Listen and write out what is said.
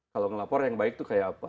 kalau melapor yang baik itu kayak apa